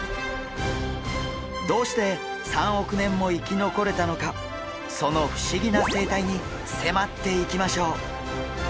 どうして３億年も生き残れたのかその不思議な生態に迫っていきましょう。